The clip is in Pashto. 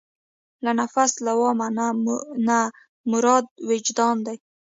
له نفس لوامه نه مراد وجدان دی.